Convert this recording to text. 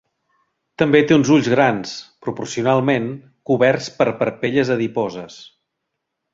També té uns ulls grans, proporcionalment, coberts per parpelles adiposes.